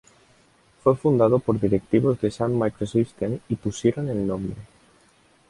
Fue fundado por directivos de Sun Microsystems, y pusieron el nombre.